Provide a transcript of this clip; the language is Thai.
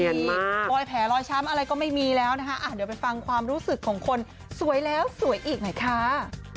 มีรอยแผลรอยช้ำอะไรก็ไม่มีแล้วนะคะเดี๋ยวไปฟังความรู้สึกของคนสวยแล้วสวยอีกหน่อยค่ะ